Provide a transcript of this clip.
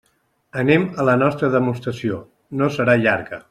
Anem a la nostra demostració; no serà llarga.